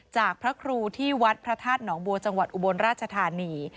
จากพระครูที่วัดพระธาตุหนองบัวจังหวัดอุบลราชธานี